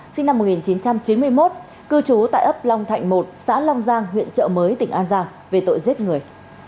sinh năm một nghìn chín trăm chín mươi một cư trú tại ấp long thạnh một xã long giang huyện trợ mới tỉnh an giang về tội giết người